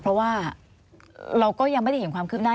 เพราะว่าเราก็ยังไม่ได้เห็นความคืบหน้า